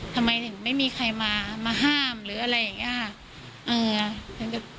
ทำไมถึงไม่มีใครมามาห้ามหรืออะไรอย่างนี้ค่ะ